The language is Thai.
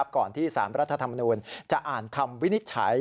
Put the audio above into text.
ก่อนที่สารรัฐธรรมนูญจะอ่านคำวินิจฉัย